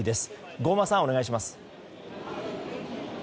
郷間さん、お願いします。